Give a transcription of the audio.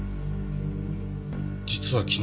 実は昨日。